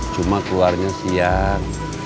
cuma keluarnya siang